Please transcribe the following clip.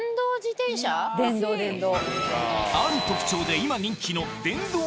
電動電動。